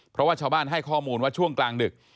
เพราะว่าชาวบ้านให้ข้อมูลว่าช่วงกลางดึก